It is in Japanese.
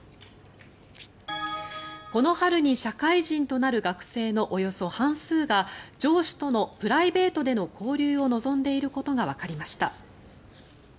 この春に社会人となる学生のおよそ半数が上司とのプライベートでの交流を望んでいることがわかりました。